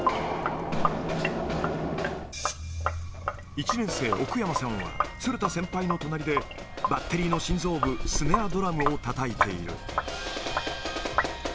１年生、奥山さんは、鶴田先輩の隣で、バッテリーの心臓部、スネアドラムをたたいている。